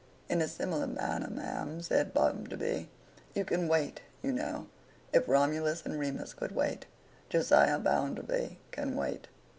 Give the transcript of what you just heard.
'In a similar manner, ma'am,' said Bounderby, 'I can wait, you know. If Romulus and Remus could wait, Josiah Bounderby can wait.